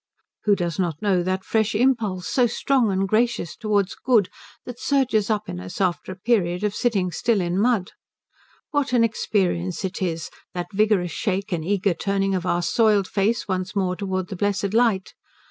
Who does not know that fresh impulse, so strong and gracious, towards good that surges up in us after a period of sitting still in mud? What an experience it is, that vigorous shake and eager turning of our soiled face once more towards the blessed light.